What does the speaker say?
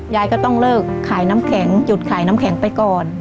ยายก็ต้องเลิกขายน้ำแข็งจุดขายน้ำแข็งไปก่อน